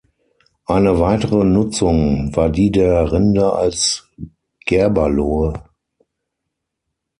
Eine weitere Nutzung war die der Rinde als Gerberlohe.